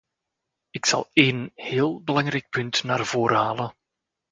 Ik zal één heel belangrijk punt naar voren halen.